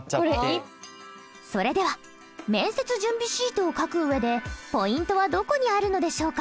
それでは面接準備シートを書く上でポイントはどこにあるのでしょうか？